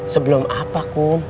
sebelum apa bu